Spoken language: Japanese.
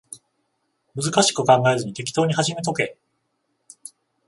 難しく考えずに適当に始めとけ